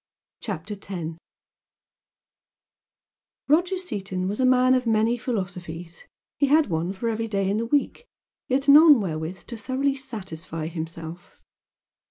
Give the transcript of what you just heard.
CHAPTER X Roger Seaton was a man of many philosophies. He had one for every day in the week, yet none wherewith to thoroughly satisfy himself.